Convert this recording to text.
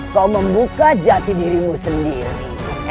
kau membuka jati dirimu sendiri